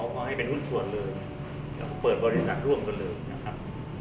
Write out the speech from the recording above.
พอให้เป็นหุ้นส่วนเลยเปิดบริษัทร่วมกันเลยนะครับ